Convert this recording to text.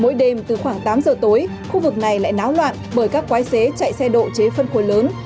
mỗi đêm từ khoảng tám giờ tối khu vực này lại náo loạn bởi các quái xế chạy xe độ chế phân khối lớn